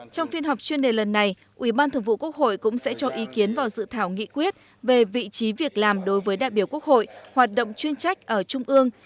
trong phiên họp chuyên đề lần này ubthqh cũng sẽ cho ý kiến vào dự thảo nghị quyết về vị trí việc làm đối với đại biểu quốc hội hoạt động chuyên trách ở trung ương